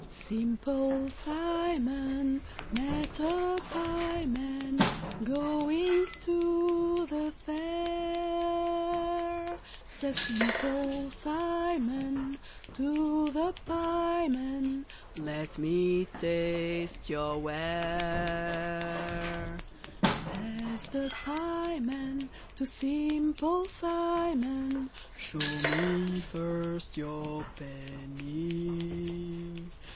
] Simple Simon met a pieman Going to the fair; Says Simple Simon to the pieman, "Let me taste your ware." Says the pieman to Simple Simon, "Show me first your penny."